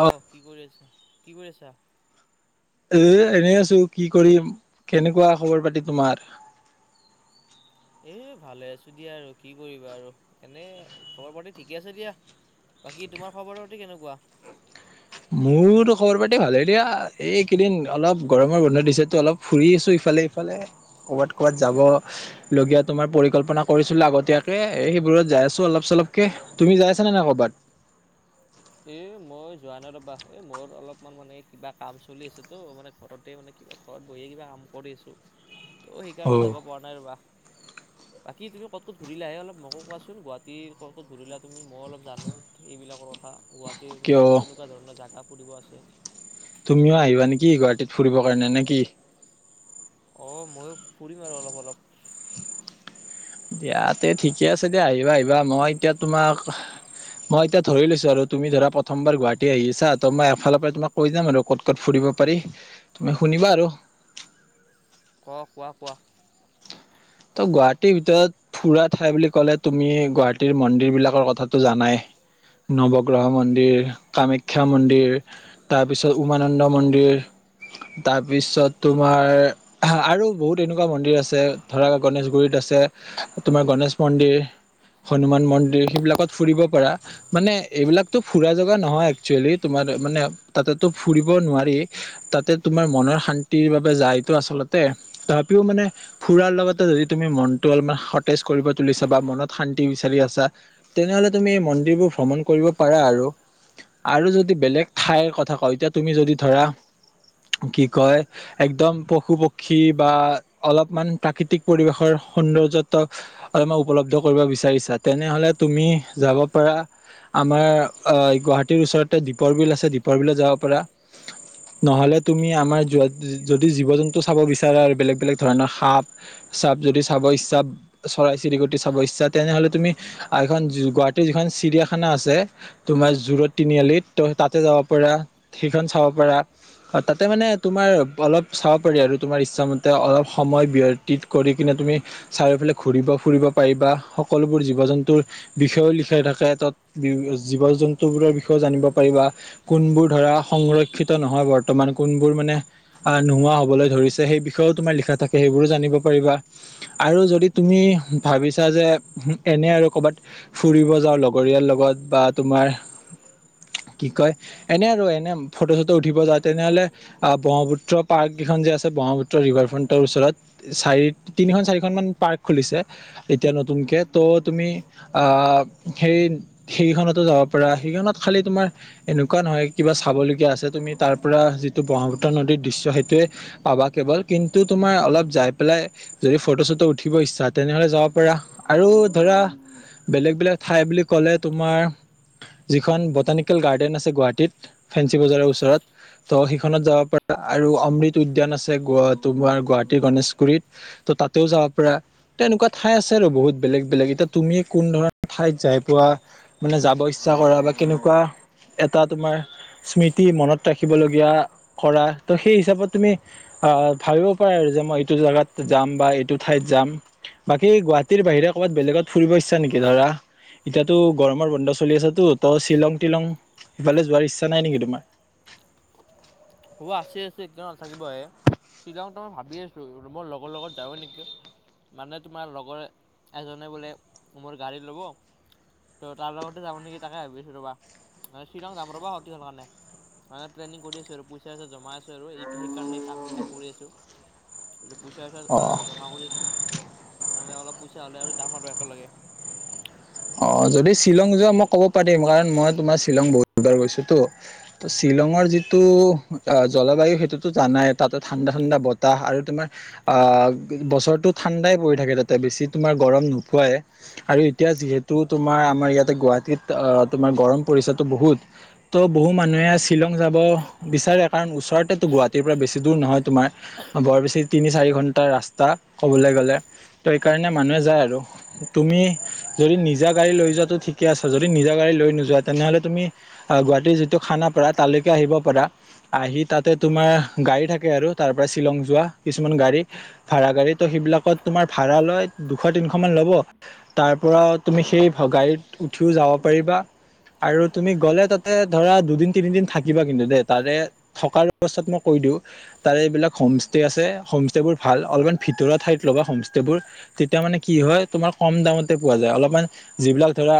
অ অ'হ কি কৰি আছা? কি কৰি আছা? এ' এনেই আছোঁ। কি কৰিম, কেনেকুৱা খবৰ পাতি তোমাৰ? এ ভালে আছোঁ দিয়া, আৰু কি কৰিবা আৰু, এনে খবৰ পাতি ঠিকে আছে দিয়া। বাকী তোমাৰ খবৰ পাতি কেনেকুৱা? মোৰতো খবৰ পাতি ভালেই দিয়া। এইকেইদিন অলপ গৰমৰ বন্ধ দিছেতো অলপ ফুৰি আছো ইফালে ইফালে কৰ'ৰবাত ক'বাত যাব লগীয়া তোমাৰ পৰিকল্পনা কৰিছিলো আগতীয়াকে এই সেইবোৰত যাই আছো অলপ চলপকে। তুমি যাইছানে নাই কৰ'বাত? এ মই যোৱা নাই ৰবা, এ মোৰ অলপমান মানে কিবা কাম চলি আছে তো, মানে ঘৰতে মানে কিব ঘৰত বহিয় কিবা কাম কৰি আছোঁ। ত' অ সেইকাৰণে যাব পৰা নাই ৰবা। বাকী তুমি ক'ত, ক'ত ঘূৰিলাহে অলপ মোকো কোৱাচোন। গুৱাহাটীৰ ক'ত ক'ত ঘূৰিলা তুমি, মই অলপ জানোঁ সেইবিলাকৰ থা গুৱাহাটীৰ মানে, কিয় কেনেকুৱা ধৰণৰ জাগবোৰ ফুৰিব আছে? তুমিও আহিবা নেকি গুৱাহাটীত ফুৰিবৰ কাৰণে নে কি? অ' ময়ো ফুৰিম আৰু অলপ অলপ দিয়া তে ঠিকে আছে দিয়া, আহিবা আহিবা মই এতিয়া তোমাক মই এতিয়া ধৰি লৈছোঁ আৰু তুমি ধৰা প্ৰথমবাৰ গুৱাহাটী আহি আছা ত মই এফালৰ পৰা তোমাক কৈ যাম আৰু ক'ত ক'ত ফুৰিব পাৰি। তুমি শুনিবা আৰু অ' কোৱা! কোৱা! ত' গুৱাহাটীৰ ভিতৰত ফুৰা ঠাই বুলি ক'লে তুমি, গুৱাহাটীৰ মন্দিৰবিলাকৰ কথাটো জানাই, নৱগ্ৰহ মন্দিৰ, কামাখ্যা মন্দিৰ তাৰপিছত উমানন্দ মন্দিৰ, তাৰপিছত তোমাৰ আৰু বহুত এনেকুৱা মন্দিৰ আছে ধৰা গণেশগুৰিত আছে, তোমাৰ গণেশ মন্দিৰ, হনুমান মন্দিৰ, সেইবিলাকত ফুৰিব পাৰা মানে এইবিলাকতো ফুৰা জগা নহয়, একচুৱেলি, তোমাৰ মানে তাতেতো ফুৰিব নোৱাৰি তাতে তোমাৰ মনৰ শান্তিৰ বাবে যায়টো আচলতে তথাপিও মানে ফুৰাৰ লগতে যদি তুমি মনটো অলপমান সতেজ কৰিব তুলিছা, বা মনত শান্তি বিচাৰি আছা, তেনেহ'লে তুমি এই মন্দিৰবোৰ ভ্ৰমণ কৰিব পাৰা, আৰু, আৰু যদি বেলেগ ঠাইৰ কথা কওঁ এতিয়া তুমি যদি ধৰা কি কয় একদম পশু পক্ষী বা অলপমান প্ৰাকৃতিক পৰিৱেশৰ সৌন্দৰ্যত অলপমান উপলব্ধ কৰিব বিচাৰিছা, তেনেহ'লে তুমি যাব পাৰা আমাৰ গুৱাহাটীৰ ওচৰতে দীপৰ বিল আছে, দীপৰ বিলত যাব পাৰা নহ'লে তুমি আমাৰ যোৱা যদি জীৱ জন্তু চাব বিচাৰা আৰু বেলেগ বেলেগ ধৰণৰ সাপ চাপ যদি চাব ইচ্ছা চৰাই চিৰিকটি চাব ইচ্ছা তেনেহ'লে তুমি এখন গুৱাহাটীৰ যিখন চিৰিয়াখানা আছে তোমাৰ জু' ৰোড তিনিআলিত। ত' তাতে যাব পাৰা, সেইখন চাব পাৰা তাতে মানে তোমাৰ অলপ চাব পাৰি আৰু তোমাৰ ইচ্ছামতে অলপ সময় কৰি কিনে তুমি চাৰিওফালে ঘুৰিব ফুৰিব পাৰিবা সকলোবোৰ জীৱ জন্তুৰ বিষয়েও লিখা থাকে, তাত জীৱ জন্তুবোৰৰ বিষয়েও জানিব পাৰিবা, কোনবোৰ ধৰা সংৰক্ষিত নহয় বৰ্তমান কোনবোৰ মানে নোহোৱা হবলৈ ধৰিছে সেই বিষয়েও তোমাৰ লিখা থাকে সেইবোৰো জানিব- আৰু যদি তুমি ভাবিছা যে, এনে আৰু কৰ'বাত ফুৰিব যাওঁ লগৰীয়াৰ লগত বা তোমাৰ কি কয় এনে আৰু এনে ফটো চটো উঠিব যাওঁ তেনেহলে আহ ব্ৰহ্মপুত্ৰ পাৰ্ককেইখন যে আছে ব্ৰহ্মপুত্ৰ ৰিভাৰ ফ্ৰণ্টৰ ওচৰত চাৰি, তিনিখন চাৰিখন মান পাৰ্ক খুলিছে, এতিয়া নতুনকে, ত' তুমি আহ সেই সেইখনতো যাব পাৰা। সেইখনত খালি তোমাৰ এনেকুৱা নহয় কিবা চাবলগীয়া আছে তুমি তাৰ পৰা যিটো ব্ৰহ্মপুত্ৰ নদীৰ দৃশ্য সেইটোৱে পাবা কেৱল কিন্তু তোমাৰ অলপ যাই পেলাই যদি ফটো চটো উঠিব ইচ্ছা, তেনেহ'লে যাব পাৰা। আৰু ধৰা বেলেগ বেলেগ ঠাই বুলি ক'লে তোমাৰ যিখন বটানিকেল গাৰ্ডেন আছে গুৱাহাটীত ফেঞ্চি বজাৰৰ ওচৰত ত' সিখনত যাব পাৰা আৰু অমৃত উদ্যান আছে, গ' তোমাৰ গুৱাহাটীৰ গণেশ গুৰিত ত, তাতেও যাব পাৰা ত এনেকুৱা ঠাই আছে আৰু বহুত বেলেগ, বেলেগ। এতিয়া তুমি কোন ধৰণৰ ঠাইত যাই পোৱা মানে যাব ইচ্ছা কৰা বা কেনেকুৱা এটা তোমাৰ স্মৃতি মনত ৰাখিব লগগীয়া কৰা ত সেই হিচাপত তুমি আহ ভাবিব পাৰা আৰু যে মই এইটো জোগাত যাম বা এইটো ঠাইত যাম বাকী গুৱাহাটী গুৱাহাটীৰ বাহিৰে ক'ৰবাত বেলেগ ফুৰিব ইচছা নেকি ধৰা এতিয়াতো গৰমৰ বন্ধ চলি আছেতো ত শ্বিলং টিলং ইফালে যোৱাৰ ইচ্ছা নাই নেকি তোমাৰ? হ আছে আছে কিয় নাথাকিবহে। শ্বিলং তো মই ভাবি আছোঁ মোৰ লগৰ লগত যাওঁৱ নেকি? মানে তোমাৰ লগৰ এজনে বোলে মোৰ গাড়ী ল'ব তহ তাৰ লগতে যাব নেকি? তাকে ভাবি আছোঁ ৰ'বা, শ্বিলং যাম ৰ'বা অতি সোনকালে কাৰণে মানে প্লেনিং কৰি আছোঁ আৰু পইচা ত জমাই আছে আৰু সেইকাৰণে কাম বিলাক কৰি আছো। এই পইচা অ চইচা জমা কৰি দিছোঁ আৰু। মানে অলপ পইচা হ'লে আৰু যাম আৰু একেলগে। অ যদি শ্বিলং যোৱা মই ক'ব পাৰিম, কাৰণ মই তোমাৰ শ্বিলং বহুত বাৰ গৈছোটো। তহ শ্বিলঙৰ যিটো জলবায়ু সেইটোতো জানাই, তাতে ঠাণ্ডা ঠাণ্ডা বতাহ আৰু তোমাৰ আহ বছৰটো ঠাণ্ডাই পৰি থাকে তাতে বেছি তোমাৰ গৰম নোপোৱাই। আৰু এতিয়া যিহেতু তো তোমাৰ আমাৰ ইয়াতে গুৱাহাটীত তোমাৰ গৰম পৰিছে ত বহুত। তহ বহু মানুহে শ্বিলং যাব বিচাৰে কাৰণ ওচৰতেতো গুৱাহাটীৰ পৰা বেছি দূৰ নহয় তোমাৰ। বৰ বেছি তিনি চাৰি ঘণ্টা ৰাস্তা ক'বলৈ গ'লে। ত' সেইকাৰণে মানুহে যায় আৰু। তুমি যদি নিজে নিজা গাড়ী লৈ যোৱাটো ঠিকে আছে। যদি নিজা গাড়ী লৈ নোযোৱা তেনেহ'লে তুমি গুৱাহাটীৰ যিটো খানাপাৰা তালৈকে আহিব পাৰা। আহি তাতে তোমাৰ গাড়ী থাকে আৰু তাৰ পাৰা শ্বিলং যোৱা কিছুমান গাড়ী ভাড়া গাড়ী তো সেইবিলাকত তোমাৰ ভাড়া লৈ দুশ তিনিশমান ল'ব। তাৰ পৰা তুমি সেই গাড়ীত উঠিও যাব পাৰিবা আৰু তুমি গ'লে তাতে ধৰা দুদিন তিনিদিন থাকিবা কিন্তু দেই। তাৰে থকাৰ অৱস্থাত মই কৈ দিওঁ তাৰে এইবিলাক হমষ্টে আছে হমষ্টেবোৰ ভাল। অলপমান ভিতৰুৱা ঠাইত ল'বা হম ষ্টেবোৰ, তেতিয়া মানে কি হয় তোমাৰ কম দামতে পোৱা যায় অলপ। যিবিলাক ধৰা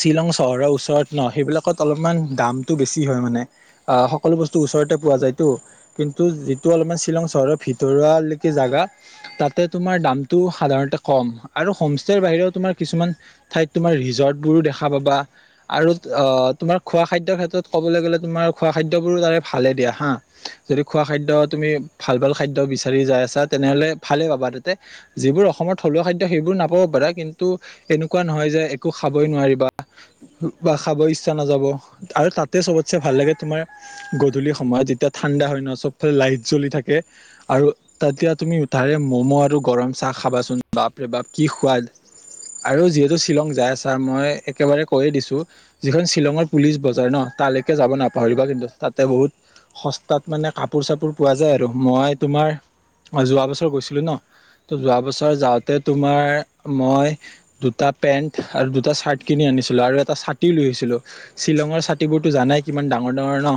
শ্বিলং চহৰৰ ওচৰত ন সেইবিলাকত অলপমান দামতটো বেছি হয় মানে। আহ সকলো বস্তু ওচৰতে পোৱা যায়তো কিন্তু যিটো অলপমান শ্বিলং চহৰৰ ভিতৰুৱালৈকে জেগা, তাতে তোমাৰ দামতটো সাধাৰণতে কম। আৰু হমষ্টেৰ তোমাৰ কিছুমান ঠাইত তোমাৰ ৰিজৰ্ট বোৰো দেখা পাবা আৰু অ তোমাৰ খোৱা খাদ্যৰ ক্ষেত্ৰত ক'বলৈ গ'লে তোমাৰ খোৱা খাদ্যবোৰো তাৰে ভালে দিয়া হা। যদি খোৱা খাদ্য তুমি ভাল ভাল খাদ্য বিচাৰি যাই আছা তেনেহ'লে ভালেই পাবা তাতে যিবোৰ অসমত থলুৱা খাদ্য সেইবোৰ নাপাব পাৰা কিন্তু এনেকুৱা নহয় যে একো খাবই নোৱাৰিবা। বা খাব ইচ্ছা নাযাব আৰু তাত তা চবতছে ভাল লাগে তোমাৰ গধূলি সময়ত যেতিয়া ঠাণ্ডা হয় ন, চবফালে লাইট জ্বলি থাকে আৰু তেতিয়া তুমি উঠাৰে ম'ম' আৰু গৰম চাহ খাবাচোন বাপৰে বাপ কি সোৱাদ। আৰু যিহেতু শ্বিলং যায় আছা, মই একেবাৰে কৈ দিছো যিখন শ্বিলঙৰ পুলিচ বজাৰ ন তালৈকে যাব নাপাহৰিবা কিন্তু, তাতে বহুত সস্তাত মানে কাপোৰ চাপোৰ পোৱা যায় আৰু। মই তোমাৰ যোৱা বছৰ গৈছিলো ন ত যোৱা বছৰ যাওঁতে তোমাৰ মই দুটা পেন্ট আৰু দুটা চাৰ্ট কিনি আনিছিলো আৰু এটা ছাতিও লৈ আহিছিলো। শ্বিলঙৰ ছাতিবোৰতো জানাই কিমান ডাঙৰ ডাঙৰ ন,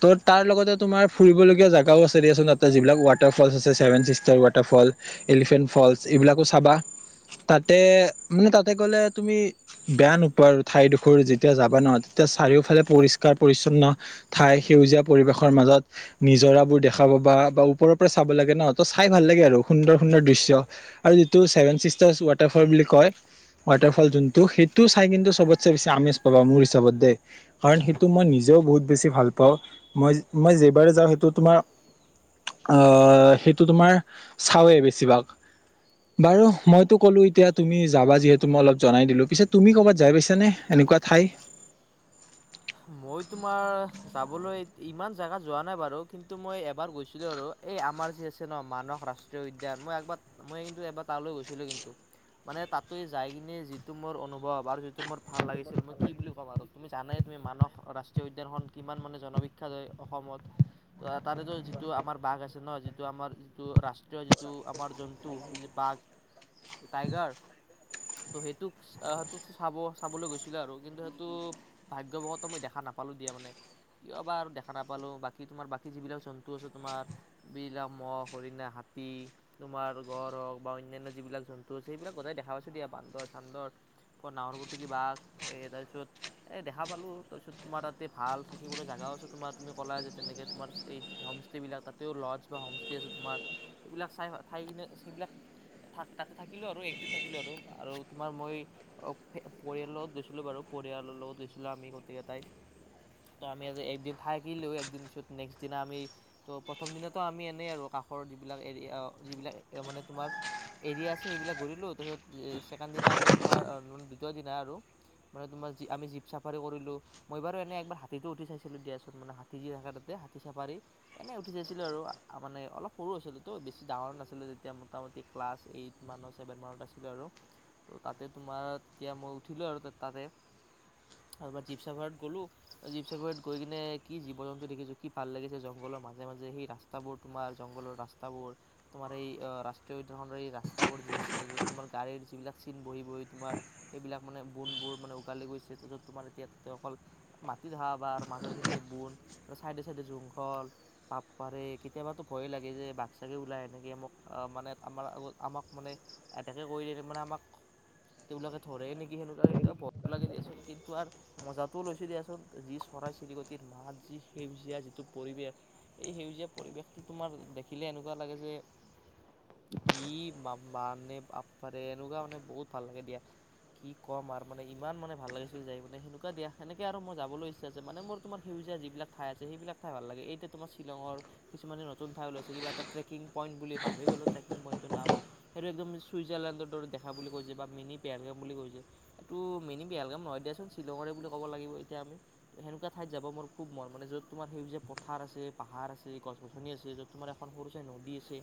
ত তাৰ লগতে তোমাৰ ফুৰিবলগীয়া জেগাও আছে দিয়াচোন তাতে যিবিলাক ৱাটাৰ ফলচ আছে seven sister waterfall, elephant falls এইবিলাকো চাবা। তাতে মোৰ তাতে গ'লে তুমি বেয়া নোপোৱা আৰু, ঠাইডোখৰ যেতিয়া যাবা নহ তেতিয়া চাৰিওফালে পৰিষ্কাৰ পৰিচ্ছন্ন ঠাই সেউজীয়া পৰিৱেশৰ মাজত নিজৰাবোৰ দেখা পাবা, বা ওপৰৰ পৰা চাব লাগে ন ত চাই ভাল লাগে আৰু সুন্দৰ সুন্দৰ দৃশ্যম আৰু যিটো চেভেন চিছ ৱাটাৰফল বুলি কয় ৱাটাৰ ফল যোনটো সেইটো চাই কিন্তু চবতে বেছি আমেজ পাবা মোৰ হিচাপত দেই। কাৰণ সেইটো মই নিজেও বহুত বেছি ভাল পাওঁ, মই মই যেই বাৰে যাওঁ সেইটো তোমাৰ আহ সেইটো তোমাৰ চাওঁৱেই বেছিভাগ। বাৰু মই ক'লো এতিয়া তুমি যাবা যিহেতু মই অলপ জনাই দিলো পিছেত তুমি কৰ'ৰবাত যাই পাইছা নে এনেকুৱা ঠাই? মই তোমাৰ যাবলৈ ইমান জেগাত যোৱা নাই বাৰু। কিন্তু মই এবাৰ গৈছিলোঁ আৰু এই আমাৰ যি আছে ন মানস ৰাষ্ট্ৰীয় উদ্যান, মই একবাৰ মই কিন্তু এবাৰ তালৈ গৈছিলোঁ কিন্তু। মানে তাততে যাই কিনে যিটো মোৰ অনুভৱ আৰু যিটো মোৰ ভাল লাগিছিল মই কি বুলি ক'ম আৰু তুমি জানাই। তুমি মানস ৰাষ্ট্ৰীয় উদ্যানখন কিমান মানে জনবিখ্যাত হয় অসমত। ত তাতেতো যিটো আমাৰ বাঘ আছে ন যিটো আমাৰ যিটো ৰাষ্ট্ৰীয় যিটো আমাৰ জন্তু যে বাঘ টাইগাৰ ত সেইটোক সেইটো চাব চাবলৈ গৈছিলো আৰু কিন্তু সেইটো ভাগ্যবশত মই দেখা নাপালোঁ দিয়া মানে কিয় বা আৰু দেখা নাপালোঁ? বাকী তোমাৰ বাকী যিবিলাক জন্তু আছে তোমাৰ বিলাহ মহ হৰিণা হাতী তোমাৰ গড় হওক বা অন্যান্য যিবিলাক জন্তু আছে, সেইবিলাক গতাই দেখা পাইছে দিয়া। বান্দৰ চান্দৰ ক নাহৰ ফুটুকী বাঘ এই তাৰপিছত এই দেখা পালোঁ তাৰপিছত তোমাৰ তাতে ভাল থাকিবলৈ জেগাও আছে তোমাৰ তুমি ক'লা যে তেনেকৈ তোমাৰ এই হোমষ্টে'বিলাক তাতেও লজ বা হোমষ্টে আছে তোমাৰ এইবিলাক চাই থাই কিনে সেইবিলাক থ তাতে থাকিলোঁ আৰু একদিন থাকিলোঁ আৰু। আৰু তোমাৰ মই পৰিয়াল লগত গৈছিলোঁ বাৰু, পৰিয়ালৰ লগত গৈছিলো আমি গোটেই কেইটাই ত আমি একদিন থাকিলো, [inaudible] নেকষ্ট দিনা আমি ত প্ৰথম দিনাটো আমি এনেই আৰু কাষৰ যিবিলাক [inaudible] মানে তোমাৰ এৰীয়া আছে সেইবিলাক ঘুৰিলো [inaudible] ছেকেণ্ড দিনা আমি তোমাৰ দ্বিতীয় দিনা আৰু মনে তোমাৰ জী আমি যি চাফাৰি কৰিলোঁ। মই বাৰু এনে একবাৰ হাতীটো উঠি চাইছিলোঁ আৰু, দিয়াচোন মানে হাতী যি থাকে তাতে হাতী চাফাৰী। এনেই উঠি চাইছিলোঁ আৰু মানে অলপ সৰু আছিলো তো বেছি ডাঙৰ নাছিলোঁ। যেতিয়া মোটামুটি ক্লাছ এইট মানৰ ছেভেন মানত আছিলোঁ আৰু। ত' তাতে তোমাৰ তেতিয়া মই উঠিলোঁ আৰু তাতে। তাপা জীৱচাফাৰত গ'লো জীৱচাফাৰত গৈ কিনে কি জীৱ জন্তু দেখিছো কি ভাল লাগিছে জংঘলৰ মাজে মাজে সেই ৰাস্তাবোৰ তোমাৰ জংঘলৰ ৰাস্তাবোৰ তোমাৰ সেই ৰাষ্ট্ৰীয় উদ্যানখনৰ এই ৰাস্তাবোৰ যি আছে যত তোমাৰ গাড়ীৰ যিবিলাক চিন বহি বহি তোমাৰ সেইবিলাক মানে বনবোৰ মানে উঘালি গৈছিল, তোমাৰ অকল মাটিত হ বা মাজৰ খিনি বন চাইডে চাইডে জংঘল বাপাৰে, কেতিয়াবাটো ভয়ে লাগে যে বাঘ চাগে ওলায় নেকি মোক মানে আমাৰ আমাক মানে এটেক কৰিলে মানে আমাক তেওঁলাকে ধৰে নেকি? সেনেকুৱা কেতিয়াবা ভয় লাগে দিয়া চোন। কিন্তু আৰু মজাটোও লৈছো দিয়াচোন। যি চৰাই চিৰিকটিৰ মাত যি সেউজীয়া যিটো পৰিৱেশ। এই সেউজীয়া পৰিৱেশটো তোমাৰ দেখিলে এনেকুৱা লাগে যে কি মা বাপাৰে নে এনেকুৱা মানে বহুত ভাল লাগে দিয়া। কি ক'ম আৰ মানে ইমান মানে ভাল লাগিছিল যায় মানে সেনেকুৱা দিয়। সেনেকে আৰু মই যাবলৈ ইচ্ছা আছে। মানে মৰ তোমাৰ সেউজীয়া যিবিলাক ঠাই আছে সেইবিলাক ঠাই ভাল লাগে। এতিয়া তোম শ্বিলঙৰ কিছুমানে নতুন ওলাইছে এটা ট্ৰেকিং পইণ্ট বুলি পাহৰি গ'ল ট্ৰেকিং পইণ্টোৰ নাম, সেইটো একদম ছুইজাৰলেণ্ডৰ দৰে দেখা বুলি কৈছে বা মিনি পেহেলগাম বুলি কৈছে। এইটো মিনি হেলগাম নহয় দিয়াচোন শ্বিলঙৰে বুলি ক'ব লাগিব এতিয়া আমি তো সেনেকোৱা যাব মোৰ খুব মন। মানে য'ত তোমাৰ সেউজীয়া যে পথাৰ আছে পাহাৰ আছে গছ গছনি আছে য'ত তোমাৰ এখন সৰু চাই নদী আছে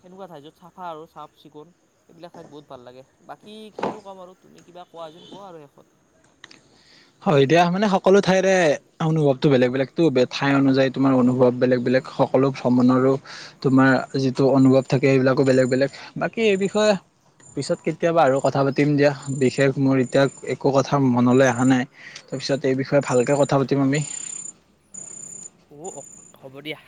সেনেকুৱা ঠাই য'ত চাফা আৰু চাফ চিকুণ এইবিলাক ঠাইত বহুত ভাল লাগে। বাকী কিনো ক'ম আৰু তুমি কিবা কোৱা যেন কোৱা আৰু শেষত। হয় দিয়া মানে সকলো ঠাইৰে অনুভৱটো বেলেগ বেলেগতো, ঠাই অনুযায়ী তোমাৰ অনুভৱ বেলেগ বেলেগ সকলো ভ্ৰমণৰো তোমাৰ যিটো অনুভৱ থাকে সেইবিলাকো বেলেগ বেলেগ। বাকী এই বিষয়ে পিছত কেতিয়াবা আৰু কথা পাতিম দিয়া। বিশেষ মোৰ এতিয়া একো কথা মনলৈ অহা নাই। তাৰপিছত এই বিষয়ে ভালকে কথা পাতিম আমি। অ' অ হ'ব দিয়া।